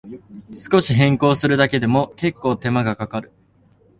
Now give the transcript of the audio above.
少し変更するだけでも、けっこう手間がかかる